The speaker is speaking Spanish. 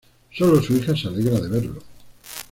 Sólo su hija se alegra de verlo.